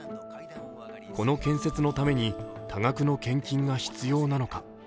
この建設のために多額の献金が必要なのか。